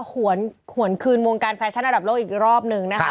หวนคืนวงการแฟชั่นอันดับโลกอีกรอบนึงนะคะ